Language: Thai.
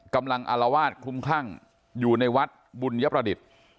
กำลังอลวาสคลุมคลั่งอยู่ในวัดบุญพระดิษฐ์